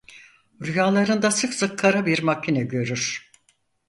Rüyalarında sık sık kara bir makine görür.